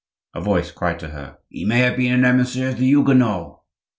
A voice cried to her, "He may have been an emissary of the Huguenots!"